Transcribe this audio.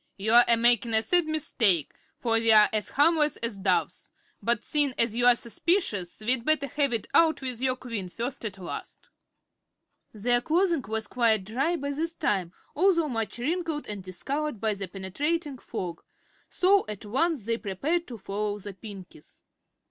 "You're a makin' a sad mistake, for we're as harmless as doves; but seein' as you're suspicious we'd better have it out with your Queen first as last." Their clothing was quite dry by this time, although much wrinkled and discolored by the penetrating fog, so at once they prepared to follow the Pinkies.